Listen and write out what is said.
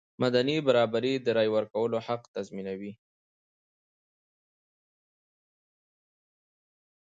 مدني برابري د رایې ورکولو حق تضمینوي.